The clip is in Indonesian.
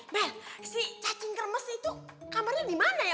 bel si cacing kermes itu kamarnya dimana ya